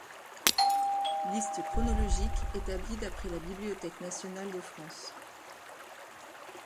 Liste chronologique établie d'après la Bibliothèque nationale de France.